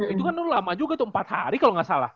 itu kan lama juga tuh empat hari kalau nggak salah